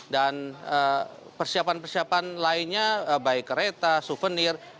dan persiapan persiapan lainnya baik kereta souvenir